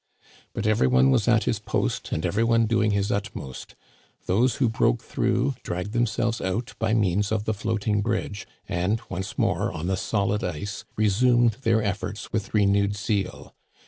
But every one was at his post and every one doing his utmost; those who broke through, dragged themselves out by means of the float ing bridge, and, once more on the solid ice, resumed their efforts with renewed zeal.